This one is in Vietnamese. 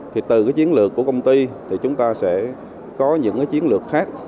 thì từ chiến lược của công ty thì chúng ta sẽ có những chiến lược khác